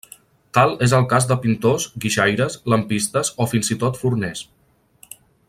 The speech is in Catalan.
Tal és el cas de pintors, guixaires, lampistes, o fins i tot forners.